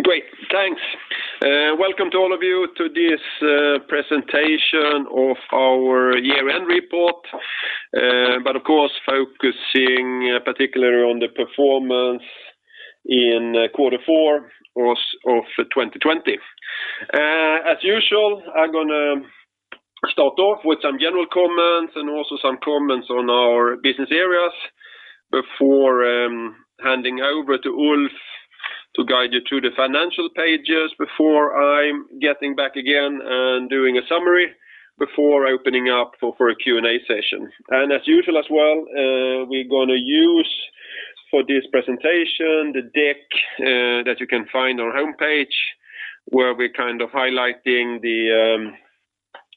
Great. Thanks. Welcome to all of you to this presentation of our year-end report, but of course, focusing particularly on the performance in Q4 2020. As usual, I'm going to start off with some general comments and also some comments on our business areas before handing over to Ulf to guide you to the financial pages before I'm getting back again and doing a summary before opening up for a Q&A session. As usual as well, we're going to use for this presentation, the deck that you can find on our homepage, where we're highlighting the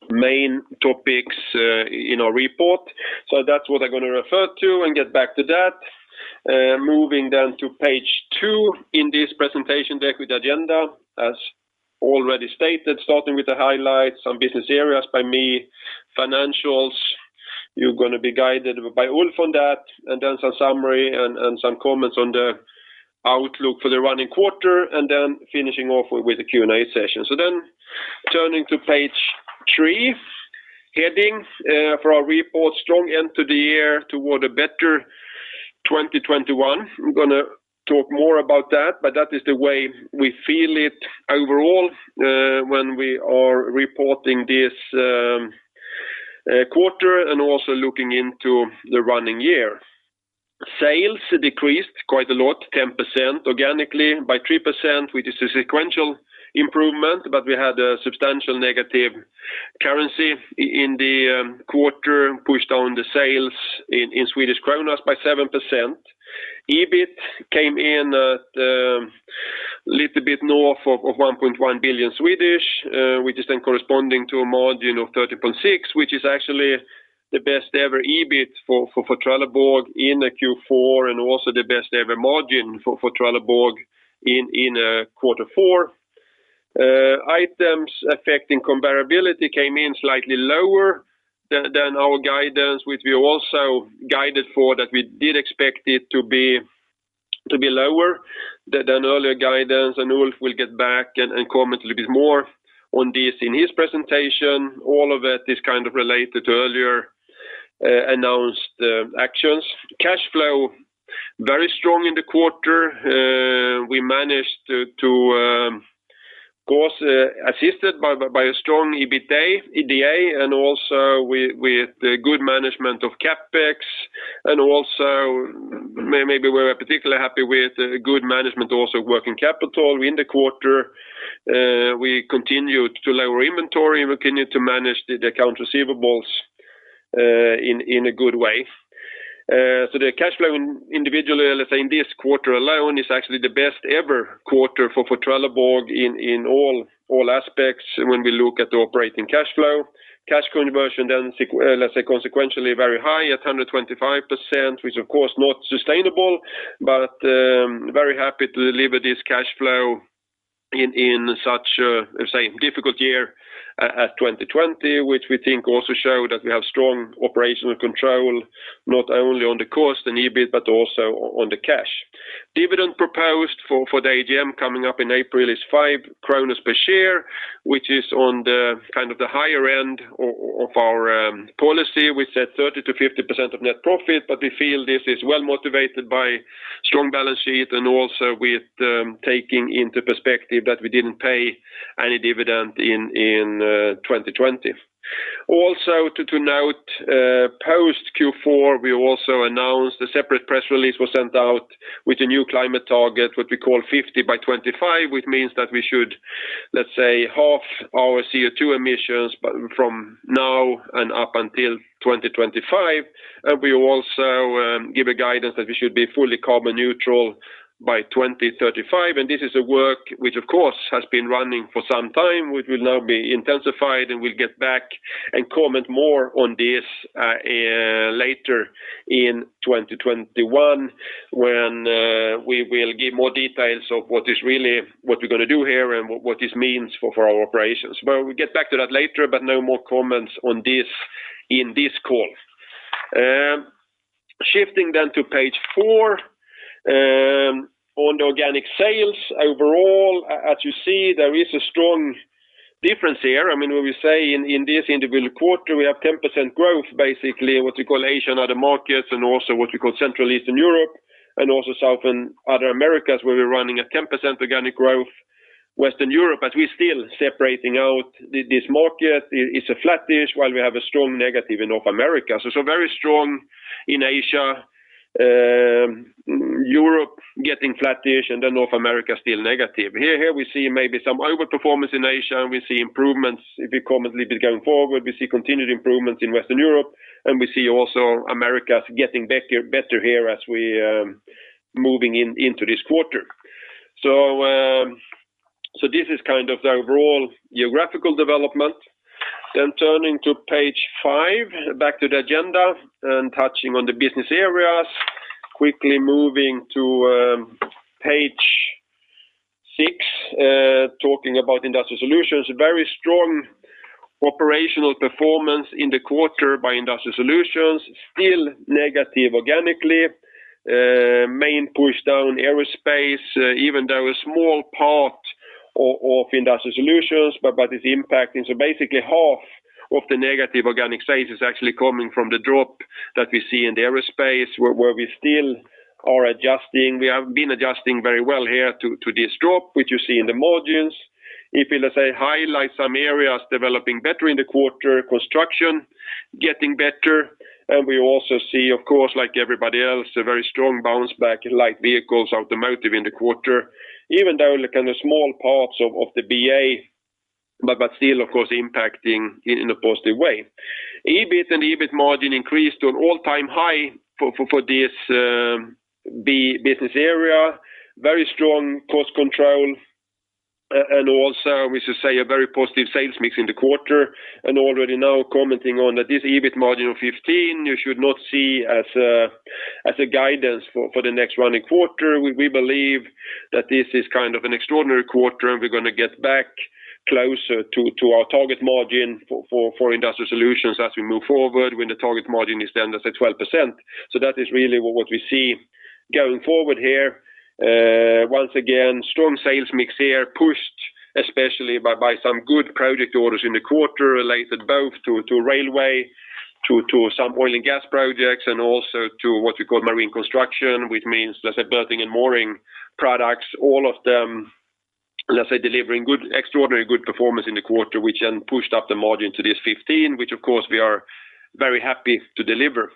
main topics in our report. That's what I'm going to refer to and get back to that. Moving down to page two in this presentation deck with the agenda, as already stated, starting with the highlights on business areas by me, financials, you're going to be guided by Ulf on that, and then some summary and some comments on the outlook for the running quarter, and then finishing off with a Q&A session. Turning to page three, headings for our report, Strong End to the Year Toward a Better 2021. I'm going to talk more about that, but that is the way we feel it overall, when we are reporting this quarter and also looking into the running year. Sales decreased quite a lot, 10% organically, by 3%, which is a sequential improvement, but we had a substantial negative currency in the quarter, pushed down the sales in Swedish kronas by 7%. EBIT came in at a little bit north of 1.1 billion, which is then corresponding to a margin of 30.6%, which is actually the best-ever EBIT for Trelleborg in the Q4 and also the best-ever margin for Trelleborg in Q4. Items affecting comparability came in slightly lower than our guidance, which we also guided for that we did expect it to be lower than earlier guidance. Ulf will get back and comment a little bit more on this in his presentation. All of it is related to earlier announced actions. Cash flow, very strong in the quarter. We managed to, of course, assisted by a strong EBITDA and also with the good management of CapEx and also maybe we're particularly happy with good management also working capital in the quarter. We continued to lower inventory, we continued to manage the account receivables in a good way. The cash flow individually, let's say in this quarter alone, is actually the best ever quarter for Trelleborg in all aspects when we look at the operating cash flow. Cash conversion, let's say consequentially very high at 125%, which of course not sustainable, but very happy to deliver this cash flow in such a difficult year as 2020, which we think also showed that we have strong operational control, not only on the cost and EBIT, but also on the cash. Dividend proposed for the AGM coming up in April is 5 per share, which is on the higher end of our policy. We said 30%-50% of net profit, but we feel this is well motivated by strong balance sheet and also with taking into perspective that we didn't pay any dividend in 2020. Also to note, post Q4, we also announced a separate press release was sent out with a new climate target, what we call 50 by 25, which means that we should, let's say, half our CO2 emissions from now and up until 2025. We also give a guidance that we should be fully carbon neutral by 2035. This is a work which, of course, has been running for some time, which will now be intensified, and we'll get back and comment more on this later in 2021 when we will give more details of what we're going to do here and what this means for our operations. We'll get back to that later, but no more comments on this in this call. Shifting to page four, on the organic sales overall, as you see, there is a strong difference here. When we say in this individual quarter, we have 10% growth, basically, what we call Asian other markets and also what we call Central Eastern Europe and also South and other Americas, where we're running a 10% organic growth. Western Europe, as we're still separating out this market, it's a flattish while we have a strong negative in North America. Very strong in Asia, Europe getting flattish, North America still negative. Here we see maybe some overperformance in Asia, and we see improvements if we comment a little bit going forward. We see continued improvements in Western Europe, and we see also America getting better here as we're moving into this quarter. This is the overall geographical development. Turning to page five, back to the agenda and touching on the business areas. Quickly moving to page six, talking about Industrial Solutions, very strong operational performance in the quarter by Industrial Solutions, still negative organically. Main push down aerospace, even though a small part of Industrial Solutions, it's impacting. Basically half of the negative organic sales is actually coming from the drop that we see in the aerospace, where we still are adjusting. We have been adjusting very well here to this drop, which you see in the margins. If you, let's say, highlight some areas developing better in the quarter, construction getting better, we also see, of course, like everybody else, a very strong bounce back in light vehicles, automotive in the quarter, even though look in the small parts of the BA, still, of course, impacting in a positive way. EBIT and EBIT margin increased to an all-time high for this business area. Very strong cost control and also, we should say, a very positive sales mix in the quarter. Already now commenting on that this EBIT margin of 15%, you should not see as a guidance for the next running quarter. We believe that this is an extraordinary quarter, and we're going to get back closer to our target margin for Industrial Solutions as we move forward, when the target margin is then, let's say, 12%. That is really what we see going forward here. Once again, strong sales mix here pushed especially by some good project orders in the quarter related both to railway, to some oil and gas projects, and also to what we call marine construction, which means, let's say, berthing and mooring products. All of them, let's say, delivering extraordinary good performance in the quarter, which then pushed up the margin to this 15%, which of course we are very happy to deliver.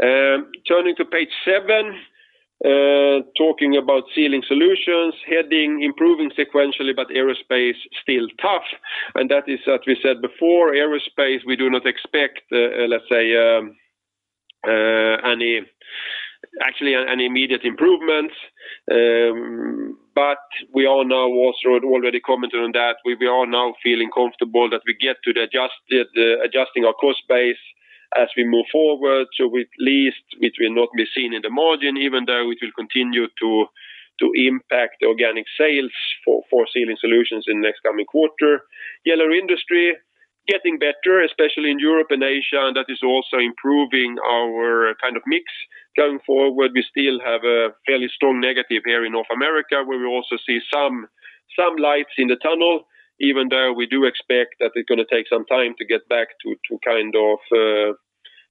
Turning to page seven, talking about Sealing Solutions, heading improving sequentially. Aerospace still tough. That is, as we said before, aerospace, we do not expect, let's say, actually an immediate improvement. We all know, Wall Street already commented on that, we are now feeling comfortable that we get to adjusting our cost base as we move forward, so at least it will not be seen in the margin, even though it will continue to impact organic sales for Sealing Solutions in next coming quarter. Yellow goods industry getting better, especially in Europe and Asia. That is also improving our mix going forward. We still have a fairly strong negative here in North America, where we also see some lights in the tunnel, even though we do expect that it's going to take some time to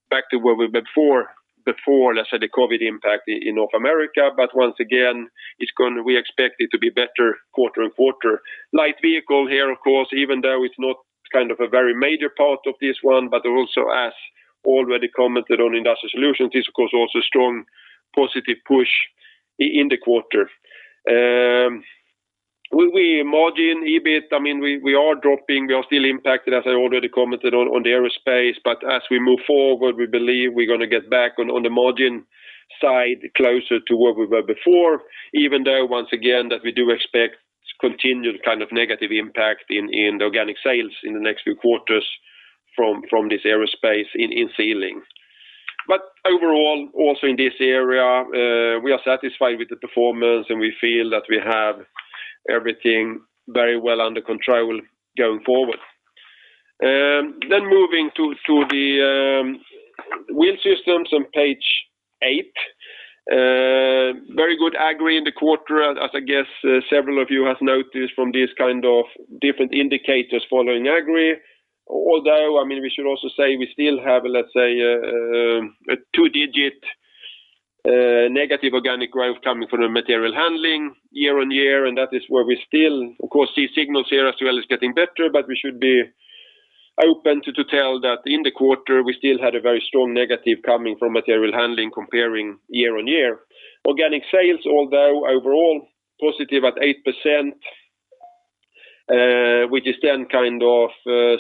get back to where we were before, let's say, the COVID impact in North America, but once again, we expect it to be better quarter-on-quarter. Light vehicle here, of course, even though it's not a very major part of this one, but also as already commented on Industrial Solutions, it's of course also strong positive push in the quarter. Margin, EBIT, we are dropping. We are still impacted, as I already commented on the aerospace. As we move forward, we believe we're going to get back on the margin side closer to where we were before, even though, once again, that we do expect continued negative impact in the organic sales in the next few quarters from this aerospace in Sealing. Overall, also in this area, we are satisfied with the performance, and we feel that we have everything very well under control going forward. Moving to the Wheel Systems on page eight. Very good Agri in the quarter, as I guess several of you have noticed from these kind of different indicators following Agri. We should also say we still have, let's say, a 2-digit negative organic growth coming from the material handling year-over-year, and that is where we still, of course, see signals here as well as getting better, but we should be open to tell that in the quarter, we still had a very strong negative coming from material handling comparing year-over-year. Organic sales, although overall positive at 8%, which is kind of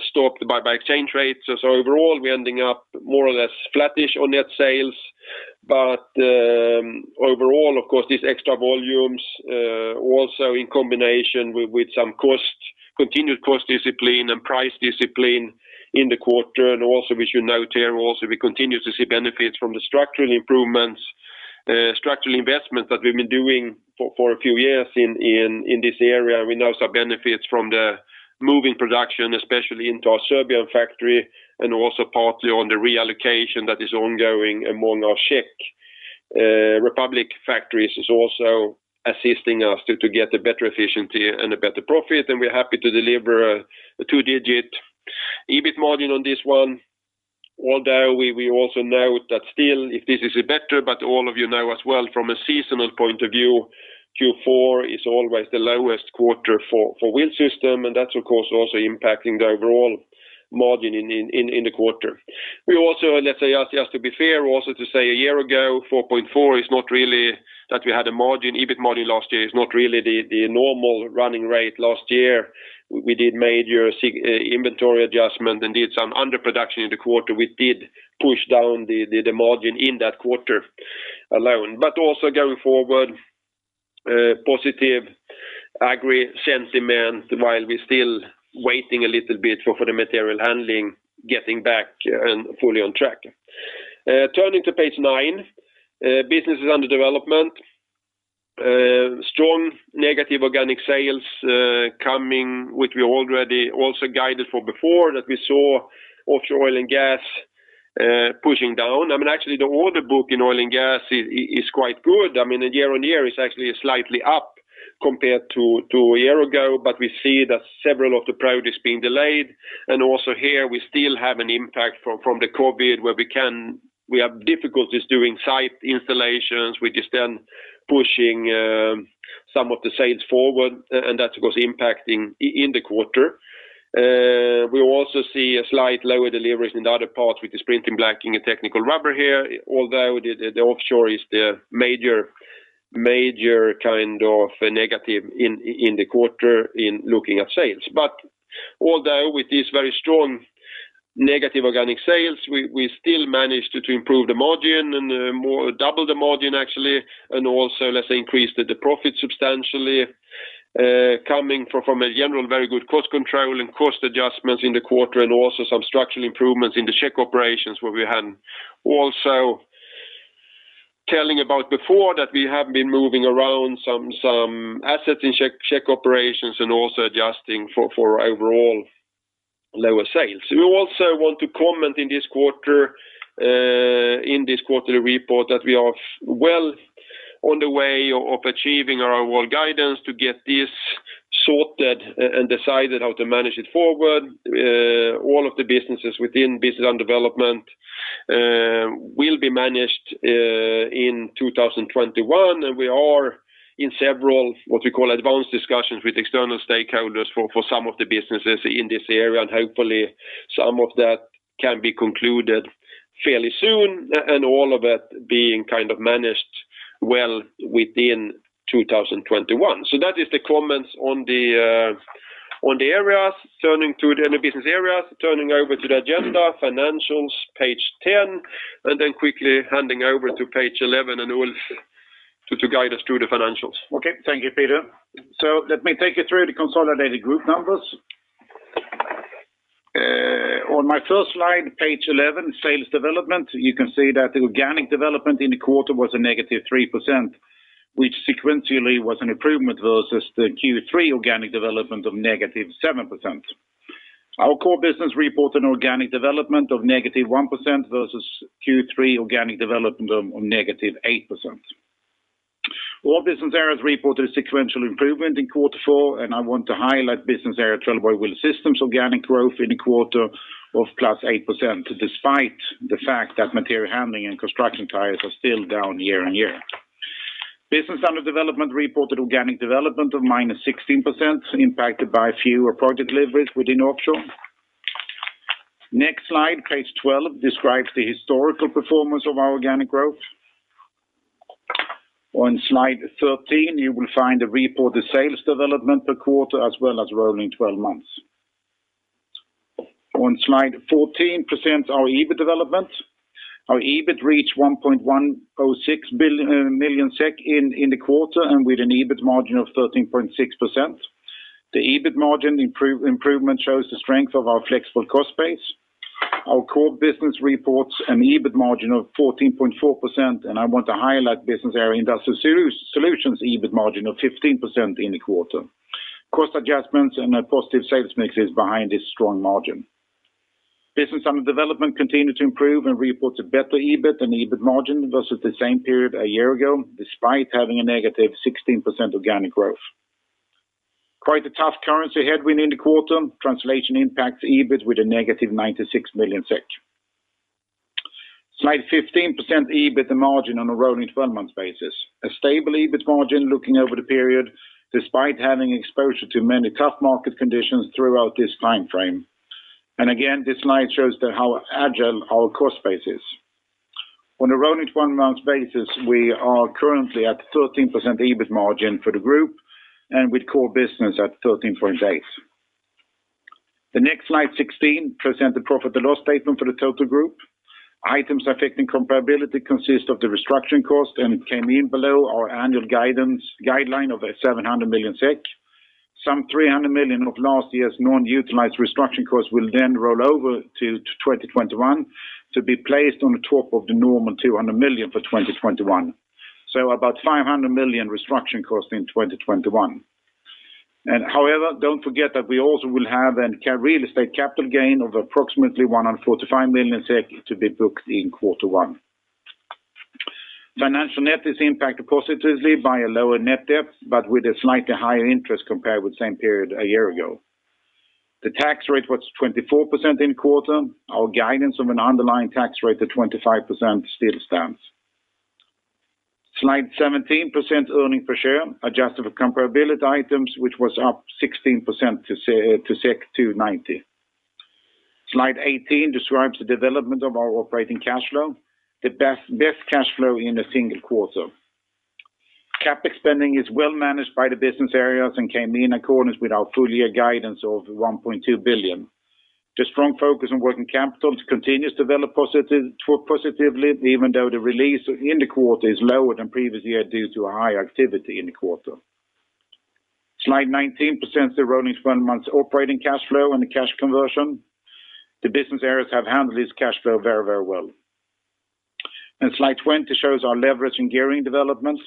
stopped by exchange rates. Overall, we're ending up more or less flattish on net sales. Overall, of course, these extra volumes, also in combination with some continued cost discipline and price discipline in the quarter. Also we should note here, we continue to see benefits from the structural improvements, structural investment that we've been doing for a few years in this area. We now saw benefits from the moving production, especially into our Serbian factory, and also partly on the reallocation that is ongoing among our Czech Republic factories, is also assisting us to get a better efficiency and a better profit. We're happy to deliver a two-digit EBIT margin on this one. We also note that still, if this is better, but all of you know as well from a seasonal point of view, Q4 is always the lowest quarter for Wheel System, and that's of course also impacting the overall margin in the quarter. We also, let's say, just to be fair, also to say a year ago, 4.4% is not really that we had a margin, EBIT margin last year is not really the normal running rate last year. We did major inventory adjustment and did some underproduction in the quarter, which did push down the margin in that quarter alone. Also going forward, positive Agri sentiment, while we're still waiting a little bit for the material handling getting back and fully on track. Turning to page nine, Businesses Under Development. Strong negative organic sales coming, which we already also guided for before, that we saw Offshore Oil and Gas pushing down. Actually, the order book in Oil and Gas is quite good. Year-on-year is actually slightly up compared to a year ago, but we see that several of the projects being delayed. Also here, we still have an impact from the COVID, where we have difficulties doing site installations, which is then pushing some of the sales forward, and that was impacting in the quarter. We also see a slight lower deliveries in other parts with Printing, Blankets, and Technical Rubber here, although the Offshore is the major kind of negative in the quarter in looking at sales. Although with these very strong negative organic sales, we still managed to improve the margin and more than double the margin actually, and also increased the profit substantially, coming from a general very good cost control and cost adjustments in the quarter, and also some structural improvements in the Czech operations, where we had also telling about before that we have been moving around some assets in Czech operations and also adjusting for overall lower sales. We also want to comment in this quarterly report that we are well on the way of achieving our overall guidance to get this sorted and decided how to manage it forward. All of the businesses within Business Under Development will be managed in 2021, and we are in several, what we call, advanced discussions with external stakeholders for some of the businesses in this area. Hopefully, some of that can be concluded fairly soon, and all of it being managed well within 2021. That is the comments on the business areas. Turning over to the agenda, financials, page 10, and then quickly handing over to page 11, and Ulf to guide us through the financials. Thank you, Peter. Let me take you through the consolidated group numbers. On my first slide, page 11, sales development, you can see that the organic development in the quarter was a -3%, which sequentially was an improvement versus the Q3 organic development of -7%. Our core business reported organic development of -1% versus Q3 organic development of -8%. All business areas reported a sequential improvement in quarter four, and I want to highlight Business Area Trelleborg Wheel Systems organic growth in the quarter of +8%, despite the fact that material handling and construction tires are still down year-over-year. Businesses Under Development reported organic development of -16%, impacted by fewer project deliveries within Offshore. Next slide, page 12, describes the historical performance of our organic growth. On slide 13, you will find a report of sales development per quarter as well as rolling 12 months. On slide 14 presents our EBIT development. Our EBIT reached 1,106 million SEK in the quarter and with an EBIT margin of 13.6%. The EBIT margin improvement shows the strength of our flexible cost base. Our core business reports an EBIT margin of 14.4%, and I want to highlight Business Area Industrial Solutions' EBIT margin of 15% in the quarter. Cost adjustments and a positive sales mix is behind this strong margin. Businesses Under Development continued to improve and reports a better EBIT and EBIT margin versus the same period a year ago, despite having a negative 16% organic growth. Quite a tough currency headwind in the quarter. Translation impacts EBIT with a negative 96 million SEK. Slide 15 EBIT margin on a rolling 12 months basis. A stable EBIT margin looking over the period, despite having exposure to many tough market conditions throughout this time frame. Again, this slide shows how agile our cost base is. On a rolling 12 months basis, we are currently at 13% EBIT margin for the group, and with core business at 13.8%. The next slide, 16, present the profit and loss statement for the total group. Items affecting comparability consist of the restructuring cost, and it came in below our annual guideline of 700 million SEK. Some 300 million of last year's non-utilized restructuring costs will then roll over to 2021 to be placed on the top of the normal 200 million for 2021. About 500 million restructuring costs in 2021. However, don't forget that we also will have a real estate capital gain of approximately 145 million to be booked in quarter one. Financial net is impacted positively by a lower net debt, but with a slightly higher interest compared with the same period a year ago. The tax rate was 24% in quarter. Our guidance of an underlying tax rate of 25% still stands. Slide 17, present earning per share, adjusted for comparability items, which was up 16% to 2.90. Slide 18 describes the development of our operating cash flow, the best cash flow in a single quarter. CapEx spending is well managed by the business areas and came in accordance with our full-year guidance of 1.2 billion. The strong focus on working capital continues to develop positively, even though the release in the quarter is lower than previous year due to a higher activity in the quarter. Slide 19 presents the rolling 12 months operating cash flow and the cash conversion. The business areas have handled this cash flow very well. Slide 20 shows our leverage and gearing developments,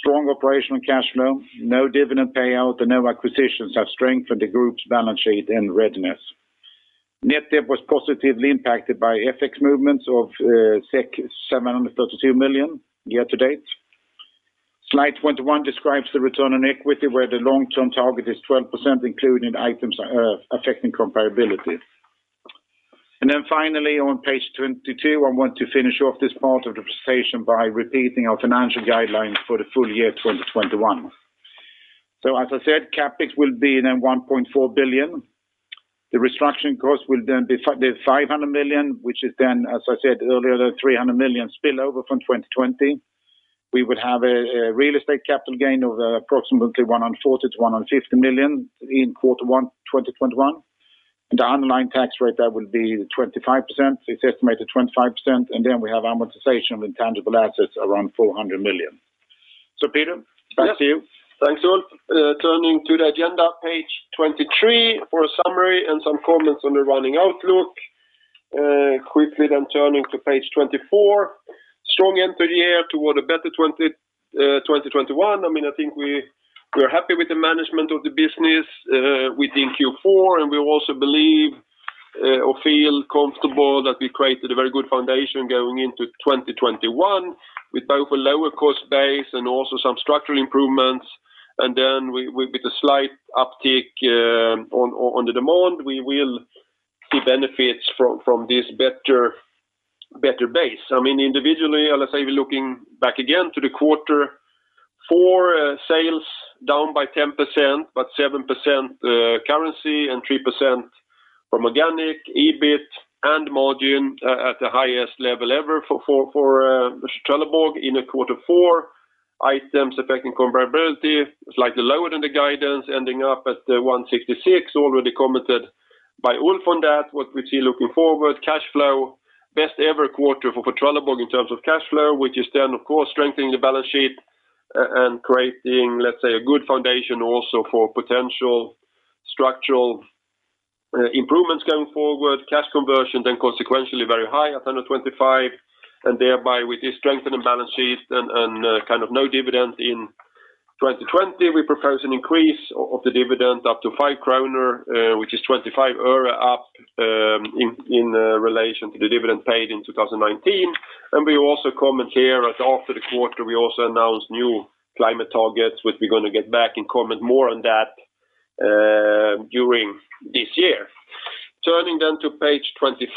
strong operational cash flow, no dividend payout, and no acquisitions have strengthened the group's balance sheet and readiness. Net debt was positively impacted by FX movements of 732 million year to date. Slide 21 describes the return on equity, where the long-term target is 12%, including items affecting comparability. Finally, on page 22, I want to finish off this part of the presentation by repeating our financial guidelines for the full year 2021. As I said, CapEx will be then 1.4 billion. The restructuring cost will then be 500 million, which is then, as I said earlier, 300 million spillover from 2020. We would have a real estate capital gain of approximately 140 million-150 million in quarter one 2021. The underlying tax rate, that will be 25%. It's estimated 25%. We have amortization of intangible assets around 400 million. Peter, back to you. Thanks, Ulf. Turning to the agenda, page 23 for a summary and some comments on the running outlook. Quickly turning to page 24. Strong end to the year toward a better 2021. I think we are happy with the management of the business within Q4, and we also believe or feel comfortable that we created a very good foundation going into 2021 with both a lower cost base and also some structural improvements. With the slight uptick on the demand, we will see benefits from this better base. Individually, let's say we're looking back again to the quarter four sales down by 10%, but 7% currency and 3% from organic EBIT and margin at the highest level ever for Trelleborg in a quarter four. Items affecting comparability, slightly lower than the guidance, ending up at 166, already commented by Ulf on that. What we see looking forward, cash flow, best ever quarter for Trelleborg in terms of cash flow, which is then of course strengthening the balance sheet and creating, let's say, a good foundation also for potential structural improvements going forward. Cash conversion then consequentially very high at 125, and thereby with this strengthened balance sheet and no dividend in 2020, we propose an increase of the dividend up to 5 kronor, which is 25 euro up in relation to the dividend paid in 2019. We also comment here that after the quarter, we also announced new climate targets, which we're going to get back and comment more on that during this year. Turning then to page 25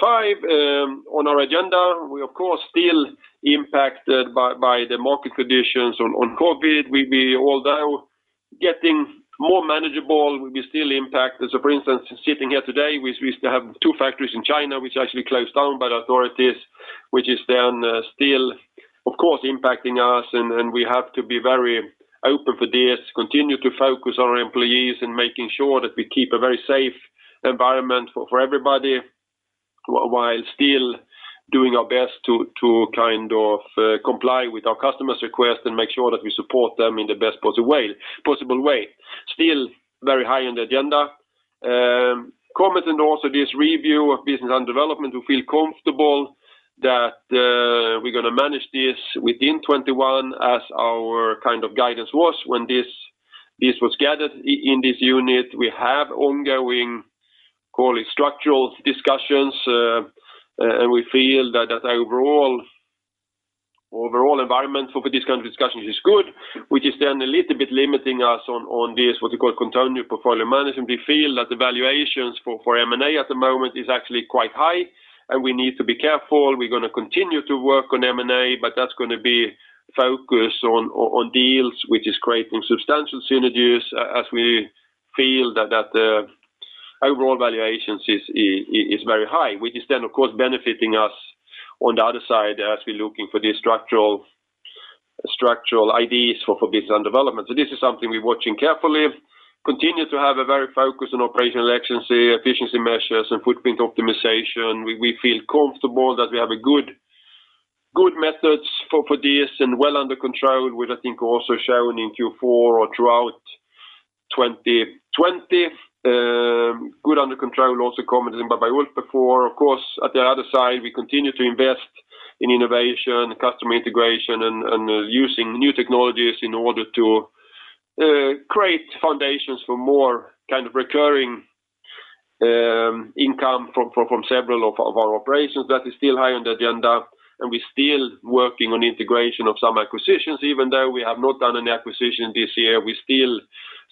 on our agenda, we of course still impacted by the market conditions on COVID. We'll be although getting more manageable, we'll be still impacted. For instance, sitting here today, we still have two factories in China, which actually closed down by the authorities, which is then still, of course, impacting us, and we have to be very open for this, continue to focus on our employees and making sure that we keep a very safe environment for everybody while still doing our best to comply with our customers' requests and make sure that we support them in the best possible way. Still very high on the agenda. Commenting also this review of Businesses Under Development, we feel comfortable that we're going to manage this within 2021 as our guidance was when this was gathered in this unit. We have ongoing structural discussions, and we feel that the overall environment for this kind of discussions is good, which is then a little bit limiting us on this, what you call continued portfolio management. We feel that the valuations for M&A at the moment is actually quite high, and we need to be careful. We're going to continue to work on M&A, but that's going to be focused on deals which is creating substantial synergies as we feel that the overall valuations is very high, which is then of course benefiting us on the other side as we're looking for these structural ideas for business and development. This is something we're watching carefully. Continue to have a very focus on operational efficiency measures, and footprint optimization. We feel comfortable that we have a good methods for this and well under control, which I think also shown in Q4 or throughout 2020. Good under control, also commented by Ulf before. Of course, at the other side, we continue to invest in innovation, customer integration, and using new technologies in order to create foundations for more recurring income from several of our operations. That is still high on the agenda, and we're still working on integration of some acquisitions. Even though we have not done an acquisition this year, we still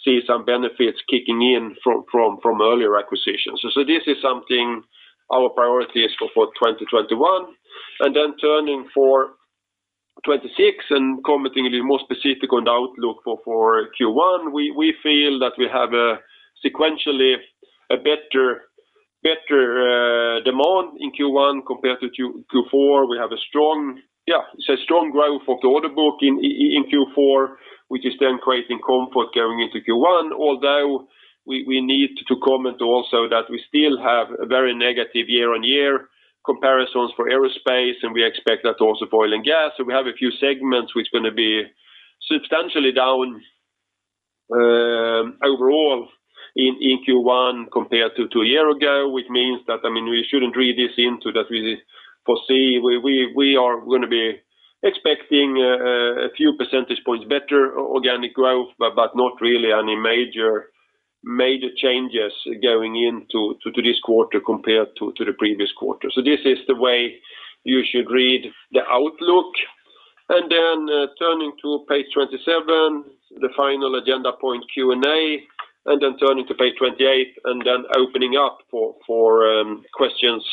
see some benefits kicking in from earlier acquisitions. This is something our priority is for 2021. Turning for 26 and commenting a little more specific on the outlook for Q1, we feel that we have a sequentially a better demand in Q1 compared to Q4. We have a strong growth of the order book in Q4, which is then creating comfort going into Q1, although we need to comment also that we still have a very negative year-on-year comparisons for aerospace, and we expect that also for oil and gas. We have a few segments which are going to be substantially down overall in Q1 compared to a year ago, which means that we shouldn't read this into that we foresee. We are going to be expecting a few percentage points, better organic growth, but not really any major changes going into this quarter compared to the previous quarter. This is the way you should read the outlook. Then turning to page 27, the final agenda point Q&A, and then turning to page 28, and then opening up for questions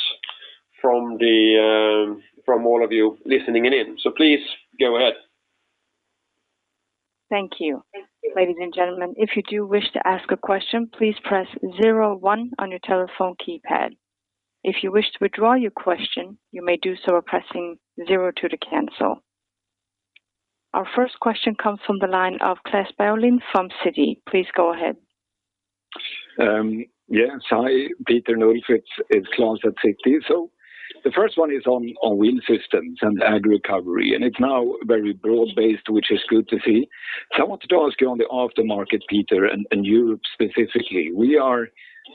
from all of you listening in. Please go ahead. Thank you. Ladies and gentlemen, if you do wish to ask a question, please press zero one on your telephone keypad. If you wish to withdraw your question, you may do so by pressing zero two to cancel. Our first question comes from the line of Claes Bolin from Citi. Please go ahead. Yes. Hi, Peter and Ulf. It's Claes at Citi. The first one is on Wheel Systems and Agri recovery, and it's now very broad-based, which is good to see. I wanted to ask you on the aftermarket, Peter, and Europe specifically.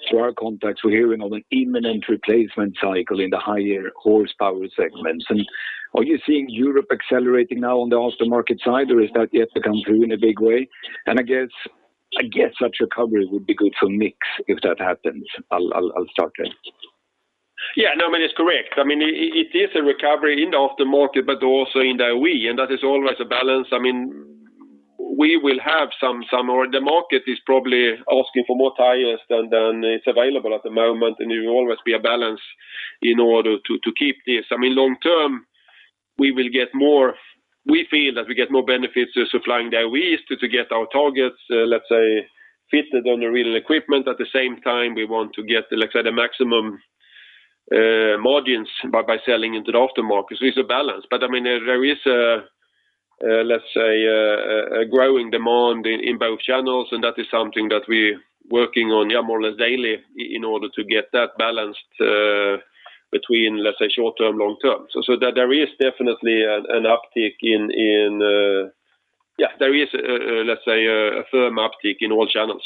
Through our contacts, we're hearing of an imminent replacement cycle in the higher horsepower segments. Are you seeing Europe accelerating now on the aftermarket side or has that yet to come through in a big way? I guess such recovery would be good for mix if that happens. I'll start there. Yeah, it's correct. It is a recovery in the aftermarket but also in the OE, and that is always a balance. The market is probably asking for more tires than is available at the moment, and it will always be a balance in order to keep this. Long term, we feel that we get more benefits supplying the OEMs to get our targets, let's say, fitted on the real equipment. At the same time, we want to get, let's say, the maximum margins by selling into the aftermarket. It's a balance. There is a growing demand in both channels, and that is something that we're working on more or less daily in order to get that balanced between short term, long term. Yeah, there is a firm uptick in all channels.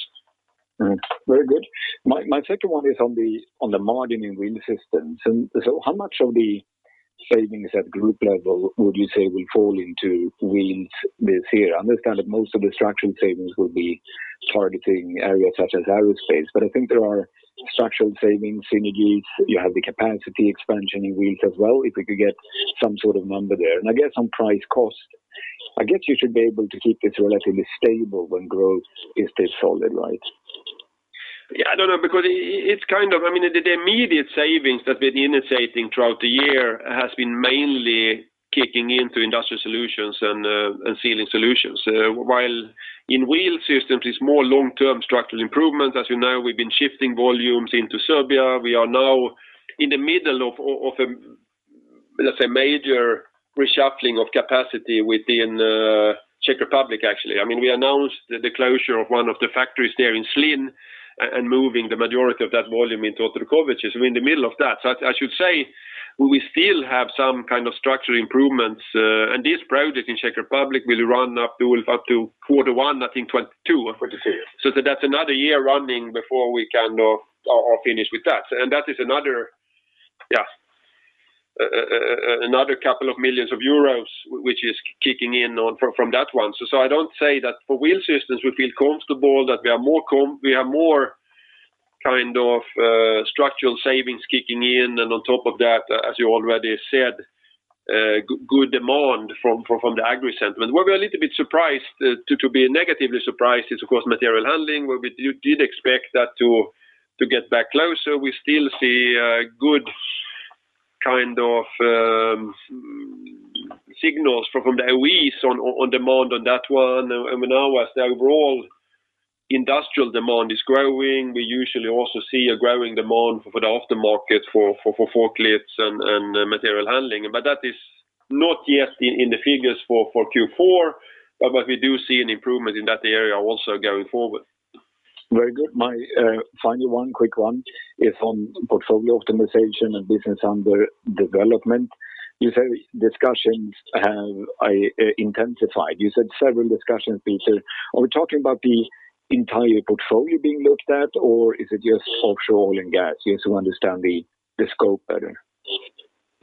Very good. My second one is on the margin in Wheel Systems. How much of the savings at group level would you say will fall into Wheels this year? I understand that most of the structural savings will be targeting areas such as aerospace, I think there are structural savings synergies. You have the capacity expansion in Wheels as well, if we could get some sort of number there. I guess on price cost, I guess you should be able to keep this relatively stable when growth is this solid, right? I don't know, because the immediate savings that we've been initiating throughout the year has been mainly kicking into Industrial Solutions and Sealing Solutions. While in Wheel Systems, it's more long-term structural improvement. As you know, we've been shifting volumes into Serbia. We are now in the middle of a major reshuffling of capacity within the Czech Republic, actually. We announced the closure of one of the factories there in Zlín and moving the majority of that volume into Otrokovice. We're in the middle of that. I should say we still have some kind of structural improvements, and this project in Czech Republic will run up to quarter one, I think, 2022. That's another year running before we are finished with that. That is another couple of millions of EUR, which is kicking in from that one. I don't say that for Wheel Systems, we feel comfortable that we have more structural savings kicking in. On top of that, as you already said, good demand from the Agri segment. Where we're a little bit surprised, to be negatively surprised, is of course, material handling, where we did expect that to get back closer. We still see good kind of signals from the OEMs on demand on that one. Now as the overall industrial demand is growing, we usually also see a growing demand for the aftermarket for forklifts and material handling. That is not yet in the figures for Q4, but we do see an improvement in that area also going forward. Very good. My final one, quick one, is on portfolio optimization and Businesses Under Development. You say discussions have intensified. You said several discussions, Peter. Are we talking about the entire portfolio being looked at or is it just offshore oil and gas? Just to understand the scope better.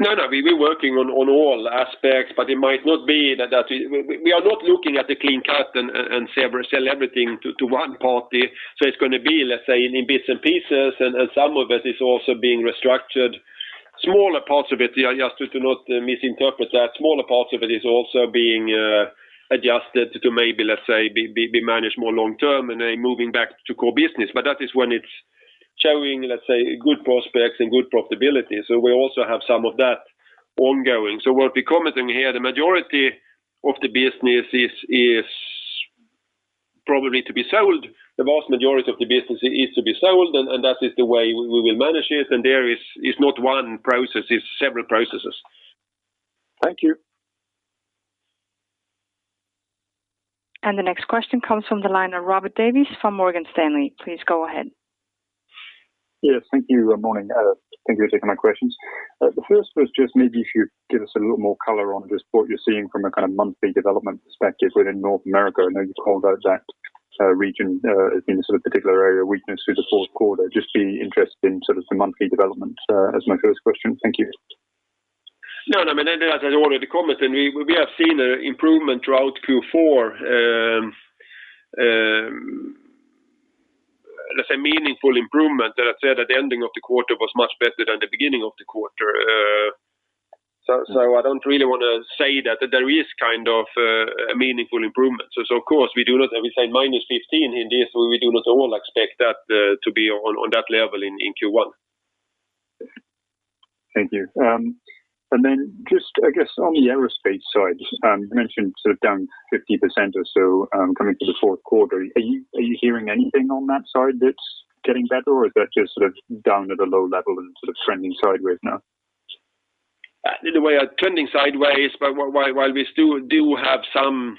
We're working on all aspects, but we are not looking at a clean cut and sell everything to one party. It's going to be, let's say, in bits and pieces, and some of it is also being restructured. Just to not misinterpret that, smaller parts of it is also being adjusted to maybe, let's say, be managed more long term and then moving back to core business. That is when it's showing good prospects and good profitability. We also have some of that ongoing. What we're commenting here, the majority of the business is probably to be sold. The vast majority of the business is to be sold, and that is the way we will manage it. There is not one process, it's several processes. Thank you. The next question comes from the line of Robert Davies from Morgan Stanley. Please go ahead. Yes. Thank you. Morning. Thank you for taking my questions. The first was just maybe if you could give us a little more color on just what you're seeing from a kind of monthly development perspective within North America. I know you've called out that region as being a sort of particular area of weakness through the fourth quarter. Just be interested in sort of the monthly development as my first question. Thank you. No, as I already commented, we have seen a improvement throughout Q4, let's say meaningful improvement that I said at the ending of the quarter was much better than the beginning of the quarter. I don't really want to say that there is kind of a meaningful improvement. Of course, we say minus 15% in this, we do not at all expect that to be on that level in Q1. Thank you. Just I guess on the aerospace side, just you mentioned sort of down 50% or so, coming to the fourth quarter. Are you hearing anything on that side that's getting better or is that just sort of down at a low level and sort of trending sideways now? In a way, trending sideways, but while we still do have some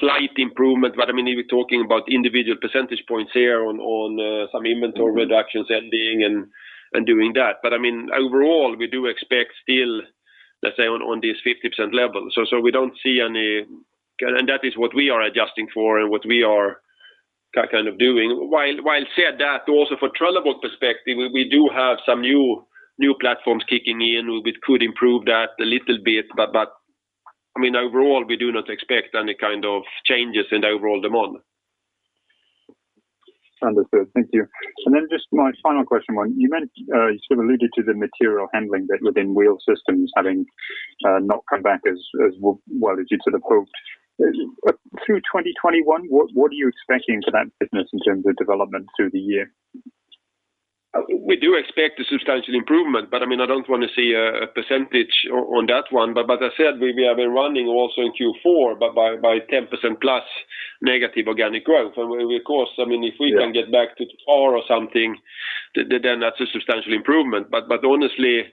slight improvement, but we're talking about individual percentage points here on some inventory reductions ending and doing that. Overall, we do expect still, let's say, on this 50% level. That is what we are adjusting for and what we are kind of doing. While said that, also for Trelleborg perspective, we do have some new platforms kicking in, which could improve that a little bit, but overall, we do not expect any kind of changes in overall demand. Understood. Thank you. My final question, you sort of alluded to the material handling that within Wheel Systems having not come back as well as you'd sort of hoped. Through 2021, what are you expecting for that business in terms of development through the year? We do expect a substantial improvement, I don't want to say a percentage on that one. As I said, we have been running also in Q4, but by 10% plus negative organic growth. We, of course, if we can get back to four or something, then that's a substantial improvement. Honestly,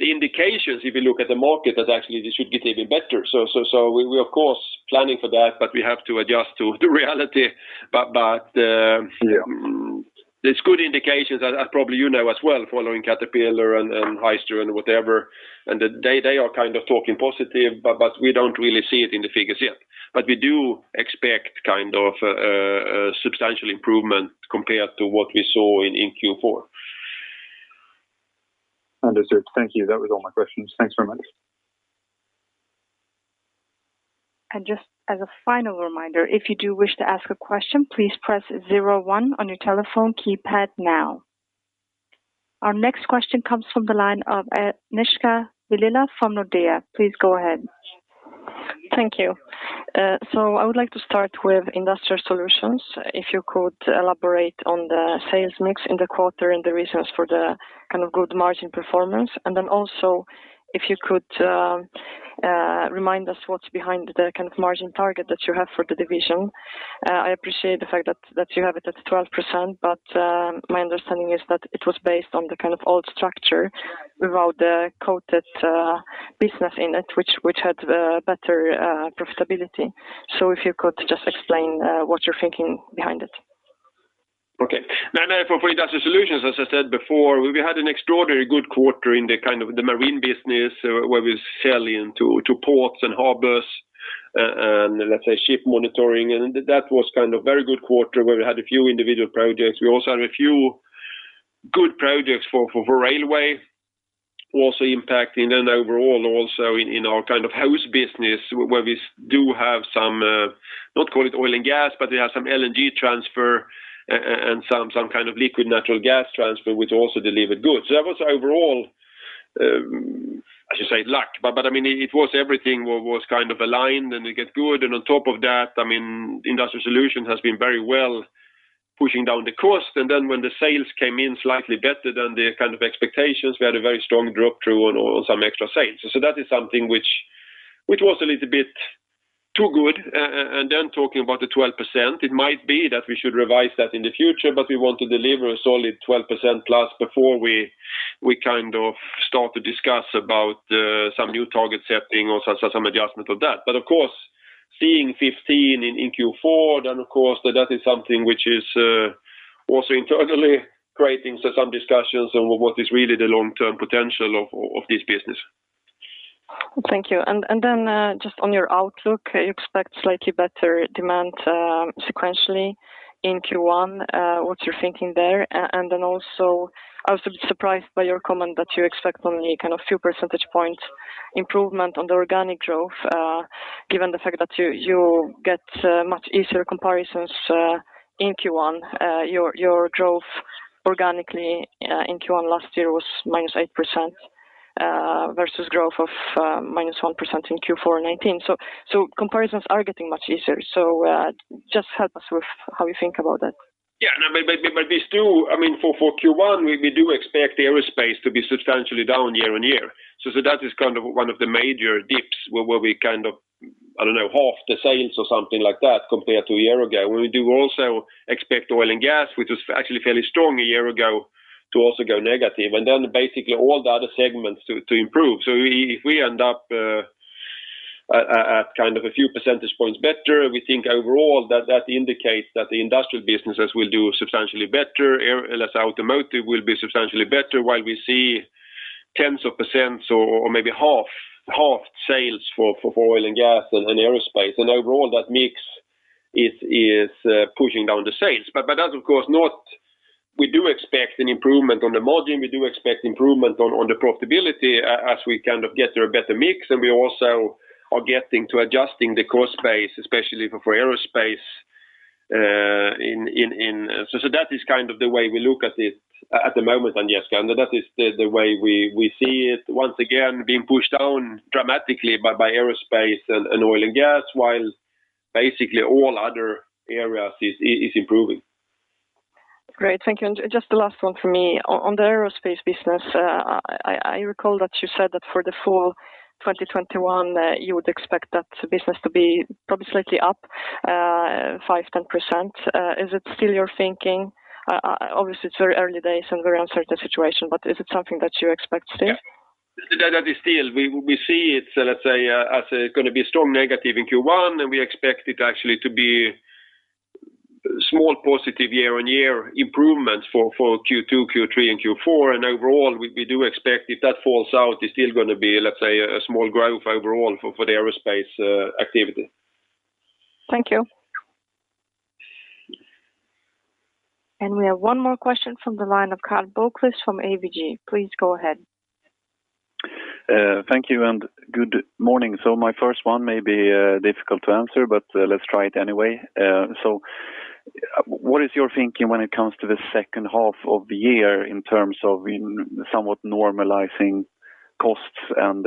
the indications, if you look at the market, that actually this should get even better. We're of course planning for that, but we have to adjust to the reality. Yeah there's good indications as probably you know as well, following Caterpillar and Hyster and whatever, and they are kind of talking positive, but we don't really see it in the figures yet. We do expect kind of a substantial improvement compared to what we saw in Q4. Understood. Thank you. That was all my questions. Thanks very much. Just as a final reminder, if you do wish to ask a question, please press zero one on your telephone keypad now. Our next question comes from the line of Agnieszka Vilela from Nordea. Please go ahead. Thank you. I would like to start with Industrial Solutions. If you could elaborate on the sales mix in the quarter and the reasons for the kind of good margin performance. Also, if you could remind us what's behind the kind of margin target that you have for the division. I appreciate the fact that you have it at 12%, my understanding is that it was based on the kind of old structure without the coated business in it, which had better profitability. If you could just explain what you're thinking behind it. Okay. For Industrial Solutions, as I said before, we had an extraordinary good quarter in the marine business, where we sell into ports and harbors and let's say ship mooring. That was kind of very good quarter where we had a few individual projects. We also had a few good projects for railway also impacting and overall also in our kind of house business where we do have some, not call it oil and gas, but we have some LNG transfer and some kind of liquid natural gas transfer, which also delivered goods. That was overall, I should say luck, but it was everything was kind of aligned and it get good. On top of that, Industrial Solutions has been very well pushing down the cost. When the sales came in slightly better than the kind of expectations, we had a very strong drop through on all some extra sales. That is something which was a little bit too good. Talking about the 12%, it might be that we should revise that in the future, but we want to deliver a solid 12% plus before we kind of start to discuss about some new target setting or some adjustment of that. Of course, seeing 15 in Q4, then of course that is something which is also internally creating some discussions on what is really the long-term potential of this business. Thank you. Just on your outlook, you expect slightly better demand sequentially in Q1, what's your thinking there? Also, I was a bit surprised by your comment that you expect only kind of few percentage points improvement on the organic growth, given the fact that you get much easier comparisons in Q1. Your growth organically in Q1 last year was -8%, versus growth of -1% in Q4 2019. Comparisons are getting much easier. Just help us with how you think about that. No, we still, for Q1, we do expect aerospace to be substantially down year-on-year. That is kind of one of the major dips where we kind of, I don't know, half the sales or something like that compared to a year ago. We do also expect oil and gas, which was actually fairly strong a year ago, to also go negative, and then basically all the other segments to improve. If we end up at a few percentage points better, we think overall that indicates that the industrial businesses will do substantially better, less automotive will be substantially better, while we see tens of percents or maybe half sales for oil and gas and aerospace. Overall, that mix is pushing down the sales. We do expect an improvement on the margin. We do expect improvement on the profitability as we get to a better mix. We also are getting to adjusting the cost base, especially for aerospace. That is the way we look at it at the moment, Agnieszka, and that is the way we see it once again being pushed down dramatically by aerospace and oil and gas, while basically all other areas is improving. Great. Thank you. Just the last one from me. On the aerospace business, I recall that you said that for the full 2021, you would expect that business to be probably slightly up 5%, 10%. Is it still your thinking? Obviously, it's very early days and a very uncertain situation, but is it something that you expect still? Yeah. That is still. We see it, let's say, as going to be strong negative in Q1. We expect it actually to be small positive year-on-year improvements for Q2, Q3, and Q4. Overall, we do expect if that falls out, it's still going to be, let's say, a small growth overall for the aerospace activity. Thank you. We have one more question from the line of Karl Bokvist from ABG. Please go ahead. Thank you and good morning. My first one may be difficult to answer, but let's try it anyway. What is your thinking when it comes to the second half of the year in terms of somewhat normalizing costs and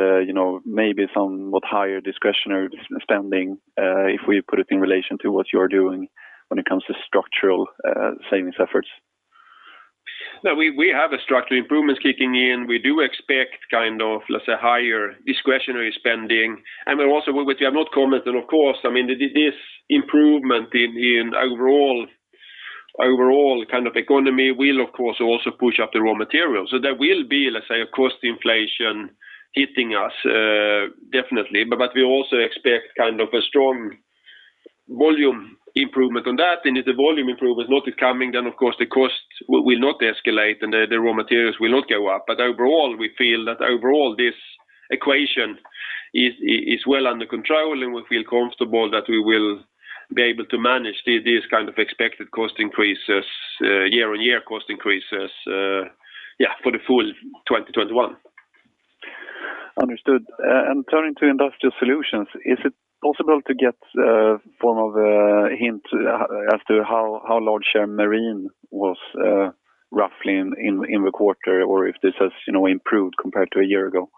maybe somewhat higher discretionary spending, if we put it in relation to what you're doing when it comes to structural savings efforts? No, we have structural improvements kicking in. We do expect kind of, let's say, higher discretionary spending. What we have not commented, of course, this improvement in overall economy will, of course, also push up the raw materials. There will be, let's say, a cost inflation hitting us definitely. We also expect a strong volume improvement on that. If the volume improvement is not coming, then of course the costs will not escalate and the raw materials will not go up. Overall, we feel that overall this equation is well under control, and we feel comfortable that we will be able to manage these kind of expected cost increases, year-on-year cost increases, yeah, for the full 2021. Understood. Turning to Industrial Solutions, is it possible to get a form of a hint as to how large share Marine was roughly in the quarter, or if this has improved compared to a year ago?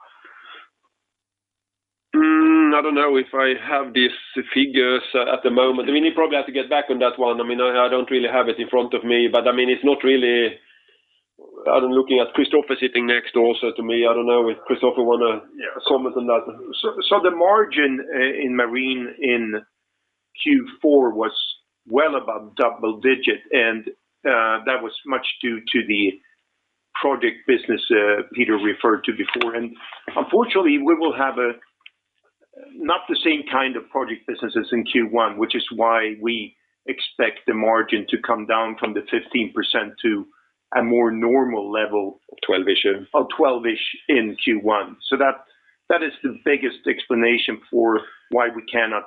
I don't know if I have these figures at the moment. You probably have to get back on that one. I don't really have it in front of me. I'm looking at Christofer sitting next also to me. I don't know if Christofer wants to comment on that. The margin in Marine in Q4 was well above double digit, and that was much due to the project business Peter referred to before. Unfortunately, we will have not the same kind of project business as in Q1, which is why we expect the margin to come down from the 15% to a more normal level. 12-ish of 12-ish in Q1. That is the biggest explanation for why we cannot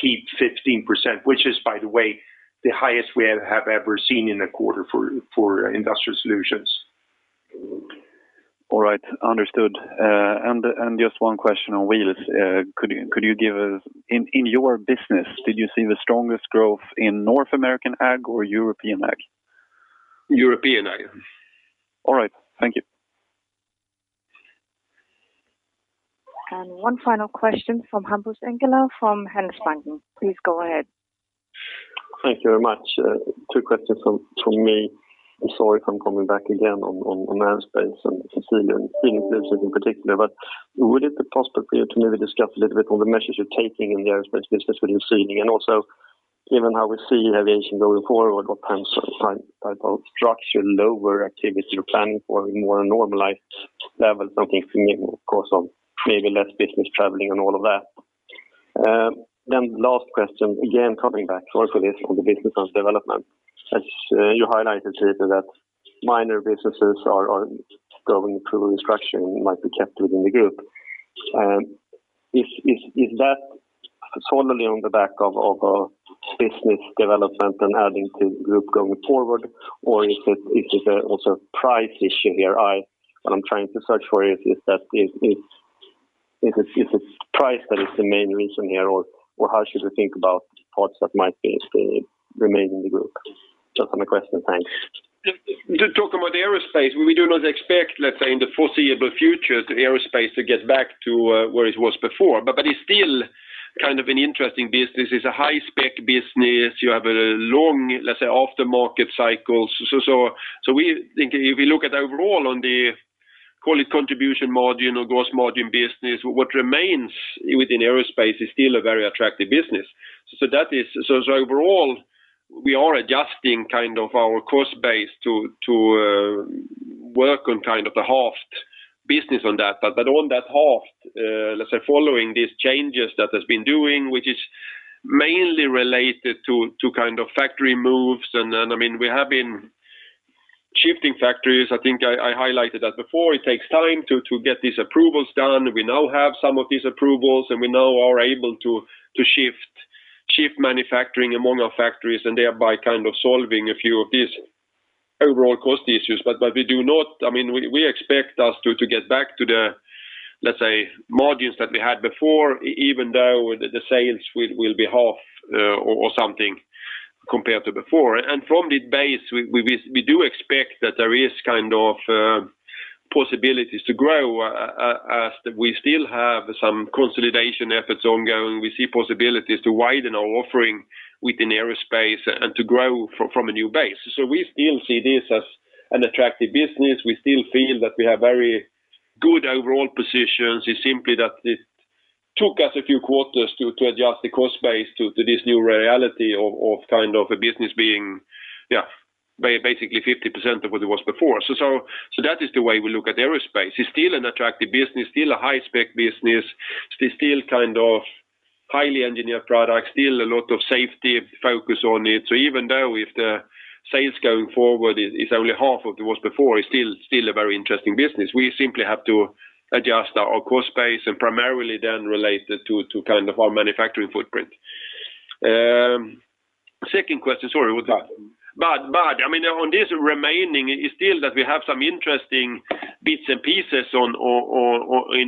keep 15%, which is, by the way, the highest we have ever seen in a quarter for Industrial Solutions. All right. Understood. Just one question on wheels. Could you give us, in your business, did you see the strongest growth in North American ag or European ag? European ag. All right. Thank you. One final question from Hampus Engellau from Handelsbanken. Please go ahead. Thank you very much. Two questions from me. I'm sorry if I'm coming back again on aerospace and Sealing Solutions business in particular, would it be possible for you to maybe discuss a little bit on the measures you're taking in the aerospace business that you're seeing? Also, given how we see aviation going forward, what kind of structure, lower activity you're planning for in more a normalized level, something of course on maybe less business traveling and all of that? Last question, again, coming back also this on the Businesses Under Development. As you highlighted, Peter, that minor businesses are going through restructuring might be kept within the group. Is that solely on the back of a business development and adding to group going forward, or is it also price issue here? What I'm trying to search for is it price that is the main reason here, or how should we think about parts that might remain in the group? Just some question. Thanks. To talk about aerospace, we do not expect, let's say, in the foreseeable future, the aerospace to get back to where it was before. It's still kind of an interesting business. It's a high spec business. You have a long, let's say, aftermarket cycle. We think if you look at overall, call it contribution margin or gross margin business, what remains within aerospace is still a very attractive business. Overall, we are adjusting our cost base to work on the halved business on that. On that half, let's say, following these changes that has been doing, which is mainly related to factory moves, and we have been shifting factories. I think I highlighted that before. It takes time to get these approvals done. We now have some of these approvals. We now are able to shift manufacturing among our factories, thereby solving a few of these overall cost issues. We expect us to get back to the, let's say, margins that we had before, even though the sales will be half or something compared to before. From this base, we do expect that there is possibilities to grow, as we still have some consolidation efforts ongoing. We see possibilities to widen our offering within aerospace and to grow from a new base. We still see this as an attractive business. We still feel that we have very good overall positions. It's simply that it took us a few quarters to adjust the cost base to this new reality of a business being, yeah, basically 50% of what it was before. That is the way we look at aerospace. It is still an attractive business, still a high spec business. It is still highly engineered product, still a lot of safety focus on it. Even though if the sales going forward is only half of what it was before, it is still a very interesting business. We simply have to adjust our cost base and primarily then relate it to our manufacturing footprint. Second question, sorry, what is that? On this remaining is still that we have some interesting bits and pieces in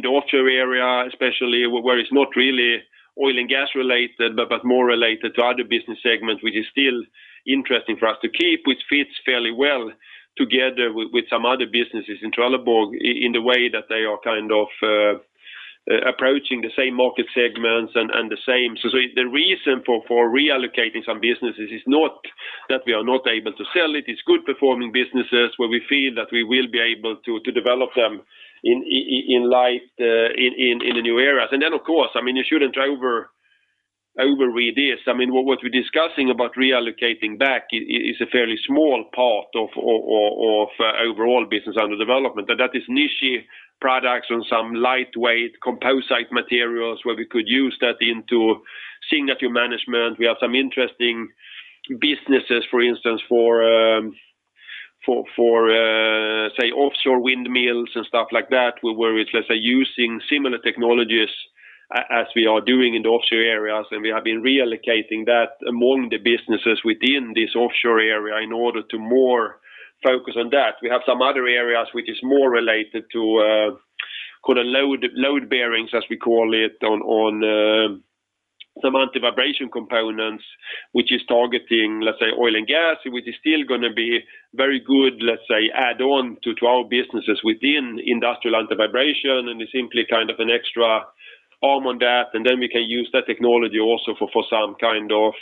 the offshore area, especially where it's not really oil and gas related, but more related to other business segments, which is still interesting for us to keep, which fits fairly well together with some other businesses in Trelleborg in the way that they are approaching the same market segments. The reason for reallocating some businesses is not that we are not able to sell it. It's good performing businesses where we feel that we will be able to develop them in the new eras. Of course, you shouldn't overread this. What we're discussing about reallocating back is a fairly small part of overall Business Under Development. That is niche products and some lightweight composite materials where we could use that into signature management. We have some interesting businesses, for instance, for say, offshore windmills and stuff like that, where it's, let's say, using similar technologies as we are doing in the offshore areas. We have been reallocating that among the businesses within this offshore area in order to more focus on that. We have some other areas which is more related to load bearings, as we call it, on some anti-vibration components, which is targeting, let's say, oil and gas, which is still going to be very good, let's say, add-on to our businesses within industrial anti-vibration, and is simply an extra arm on that. Then we can use that technology also for some kind of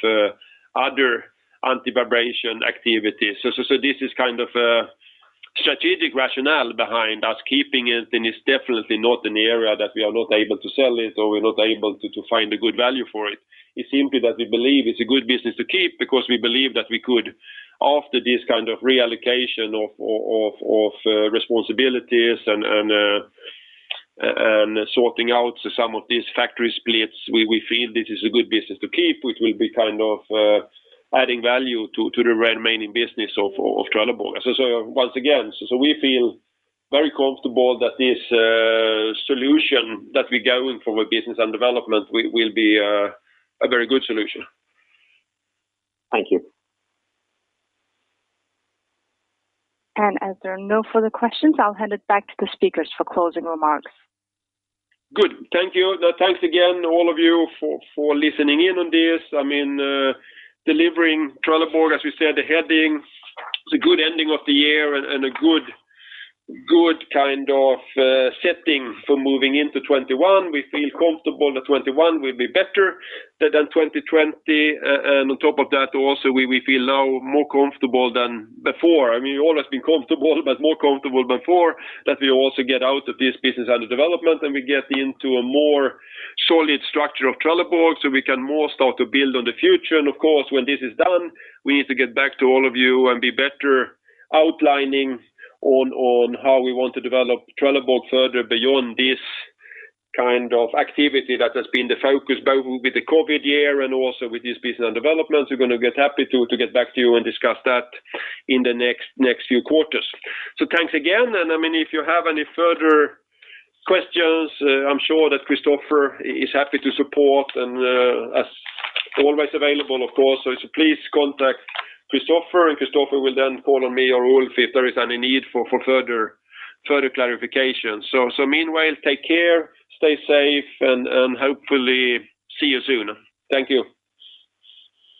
other anti-vibration activities. This is a strategic rationale behind us keeping it, and it's definitely not an area that we are not able to sell it or we're not able to find a good value for it. It's simply that we believe it's a good business to keep because we believe that we could, after this kind of reallocation of responsibilities and sorting out some of these factory splits, we feel this is a good business to keep, which will be adding value to the remaining business of Trelleborg. Once again, we feel very comfortable that this solution that we're going for with Businesses Under Development will be a very good solution. Thank you. As there are no further questions, I'll hand it back to the speakers for closing remarks. Good. Thank you. Thanks again all of you for listening in on this. Delivering Trelleborg, as we said, heading to good ending of the year and a good kind of setting for moving into 2021. We feel comfortable that 2021 will be better than 2020. On top of that, also, we feel now more comfortable than before. Always been comfortable, but more comfortable before that we also get out of this Businesses Under Development, we get into a more solid structure of Trelleborg, we can more start to build on the future. Of course, when this is done, we need to get back to all of you and be better outlining on how we want to develop Trelleborg further beyond this kind of activity that has been the focus, both with the COVID year and also with this Businesses Under Development. We're going to get happy to get back to you and discuss that in the next few quarters. Thanks again, and if you have any further questions, I'm sure that Christofer is happy to support and as always available, of course. Please contact Christofer, and Christofer will then call on me or Ulf if there is any need for further clarification. Meanwhile, take care, stay safe, and hopefully see you soon. Thank you.